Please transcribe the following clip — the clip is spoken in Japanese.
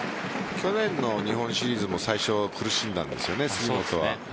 去年の日本シリーズも最初苦しんだんですよね杉本は。